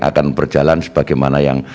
akan berjalan sebagaimana yang